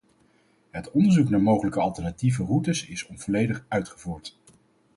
Het onderzoek naar mogelijke alternatieve routes is onvolledig uitgevoerd.